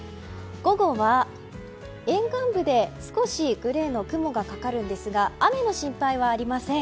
午後は、沿岸部で少しグレーの雲がかかるんですが雨の心配はありません。